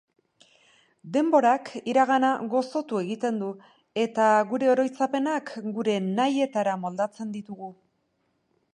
Denborak iragana gozotu egiten du, eta gure oroitzapenak gure nahietara moldatzen ditugu.